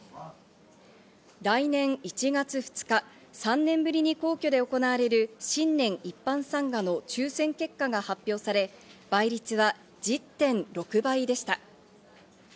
来年１月２日、３年ぶりに皇居で行われる新年一般参賀の抽選結果が発表され、倍率は１０．６倍でした。